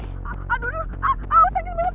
aduh aduh awas saki saki bu